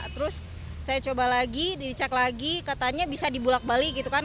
terus saya coba lagi dicek lagi katanya bisa dibulak balik gitu kan